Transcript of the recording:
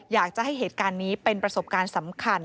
อยากจะให้เหตุการณ์นี้เป็นประสบการณ์สำคัญ